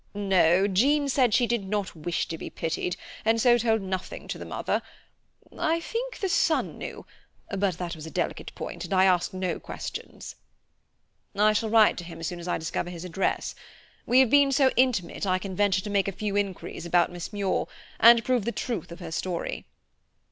"No, Jean said she did not wish to be pitied, and so told nothing to the mother. I think the son knew, but that was a delicate point, and I asked no questions." "I shall write to him as soon as I discover his address. We have been so intimate I can venture to make a few inquiries about Miss Muir, and prove the truth of her story."